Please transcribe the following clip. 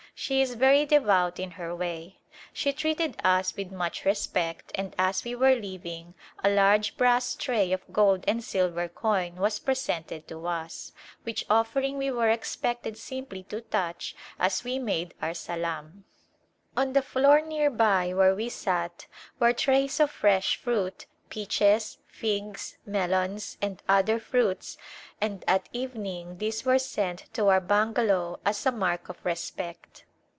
She is very devout in her way. She treated us with much respect and as we were leaving a large brass tray of gold and silver coin was presented to us, which offering we were expected simply to touch as we made our salam. A Glimpse of India On the floor near by where we sat were trays of fresh fruit, peaches, figs, melons and other fruits and at evening these were sent to our bungalow as a mark of respect.